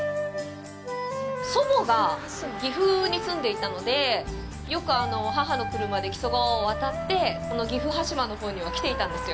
祖母が岐阜に住んでいたのでよく母の車で木曽川を渡ってこの岐阜羽島のほうには来ていたんですよ。